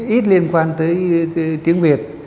ít liên quan tới tiếng việt